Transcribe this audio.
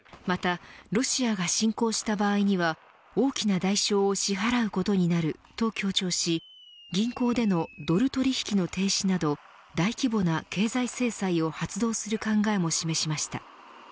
また、ロシアが侵攻した場合には大きな代償を支払うことになると強調し銀行でのドル取引の停止など大規模な経済制裁を発動する考えも示しました。